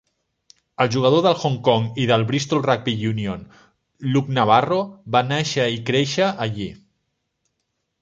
El jugador del Hong Kong i del Bristol Rugby Union, Luke Nabaro, va nàixer i créixer allí.